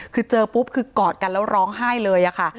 คือเจอปุ๊บคือกอดกันแล้วร้องไห้เลยค่ะ